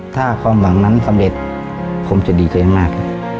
ถ้าความหวังนั้นสำเร็จผมจะดีกว่าอย่างมาก